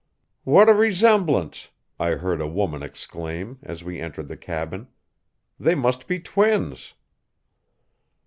"What a resemblance!" I heard a woman exclaim, as we entered the cabin. "They must be twins."